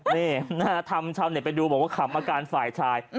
นี่ทำชาวเน็ตไปดูบอกว่าขำอาการฝ่ายชาย